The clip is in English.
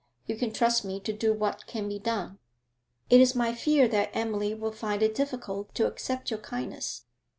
You can trust me to do what can be done.' 'It is my fear that Emily will find it difficult to accept your kindness.'